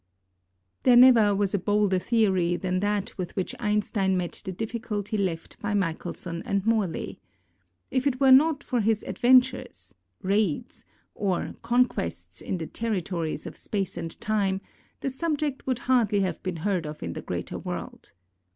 There never was a bolder theory than that with which Einstein met the difficulty left by Michelson and Morley. If it were not for his adventures — raids — or conquests in the territories of Space and Time, the subject would hardly have been heard of in the greater world.